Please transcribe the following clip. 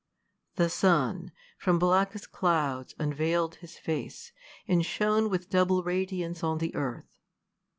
The sun, from blackest clouds, unveiPd his fece, And shone with double radiance on the earth.